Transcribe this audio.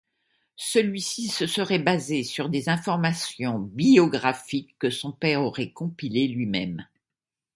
Celui-ci se serait basé sur des informations biographiques que son père aurait compilées lui-même.